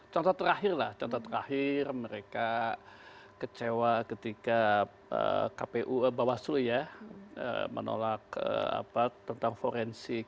contoh terakhir lah contoh terakhir mereka kecewa ketika bapak soe menolak tentang forensik